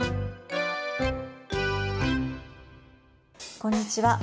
こんにちは。